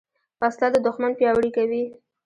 وسله د دوښمن پیاوړي کوي